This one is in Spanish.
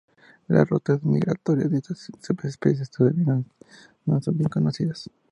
Las rutas migratorias de estas subespecies todavía no son bien conocidas.